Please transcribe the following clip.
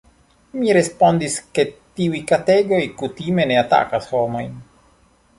Mi respondis, ke tiuj kategoj kutime ne atakas homojn.